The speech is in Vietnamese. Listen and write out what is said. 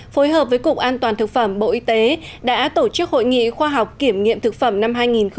phối hợp với cục an toàn thực phẩm bộ y tế đã tổ chức hội nghị khoa học kiểm nghiệm thực phẩm năm hai nghìn một mươi chín